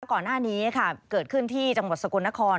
ก่อนหน้านี้ค่ะเกิดขึ้นที่จังหวัดสกลนคร